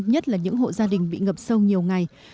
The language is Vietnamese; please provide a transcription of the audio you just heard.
nhất là những hộ gia đình bị ngập sâu nhiều ngày